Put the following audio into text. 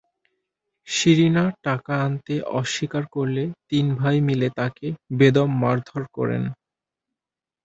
শিরিনা টাকা আনতে অস্বীকার করলে তিন ভাই মিলে তাঁকে বেদম মারধর করেন।